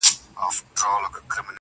بس یوازي د یوه سړي خپلیږي-